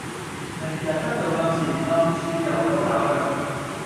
明人不做暗事，暗處有狗咬腳